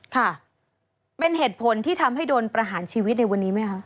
ค่ะเป็นเหตุผลที่ทำให้โดนประหารชีวิตในวันนี้ไหมคะ